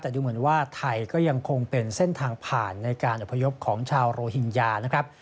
แต่ดูเหมือนว่าไทยก็ยังคงเป็นเส้นทางผ่านในการอพยพของชาวโรฮิงญานะครับ